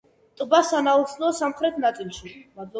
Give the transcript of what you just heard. ტბა სანაოსნოა სამხრეთ ნაწილში.